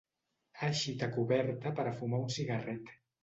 Ha eixit a coberta per a fumar un cigarret.